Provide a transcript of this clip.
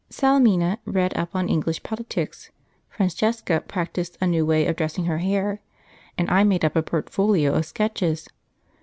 Salemina read up on English politics; Francesca practised a new way of dressing her hair; and I made up a portfolio of sketches.